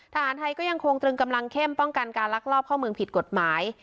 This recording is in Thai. ทหารไทยก็ยังคงตรึงกำลังเข้มป้องกันการลักลอบเข้าเมืองผิดกฎหมาย